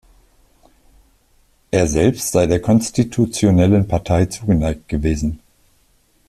Er selbst sei der konstitutionellen Partei zugeneigt gewesen.